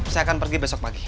saya akan pergi besok pagi